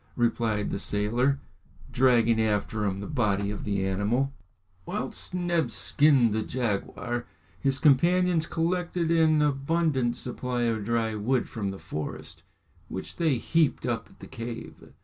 replied the sailor, dragging after him the body of the animal. Whilst Neb skinned the jaguar, his companions collected an abundant supply of dry wood from the forest, which they heaped up at the cave.